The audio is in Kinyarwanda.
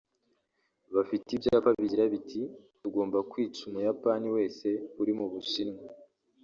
bafite ibyapa bigira biti “Tugomba kwica Umuyapani wese uri mu Bushinwa”